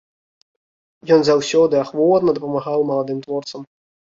Ён заўсёды ахвотна дапамагаў маладым творцам.